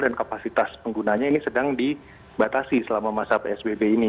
dan kapasitas penggunanya ini sedang dibatasi selama masa psbb ini